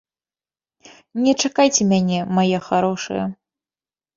Не чакайце мяне, мае харошыя.